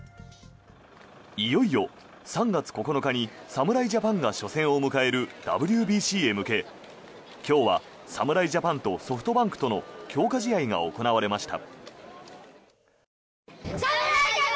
いよいよ３月９日に侍ジャパンが初戦を迎えるＷＢＣへ向け、今日は侍ジャパンとソフトバンクとの強化試合が行われました。